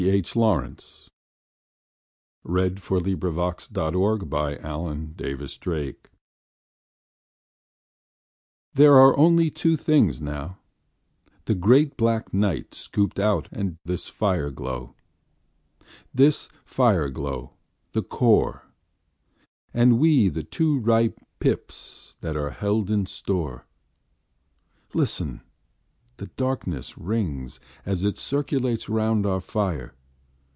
H. Lawrence NEW YEAR'S EVE by: D.H. Lawrence (1885 1930) HERE are only two things now, The great black night scooped out And this fire glow. This fire glow, the core, And we the two ripe pips That are held in store. Listen, the darkness rings As it circulates round our fire.